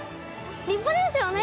立派ですよね。